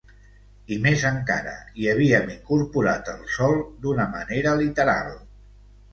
I més encara, hi havíem incorporat el sol d’una manera literal.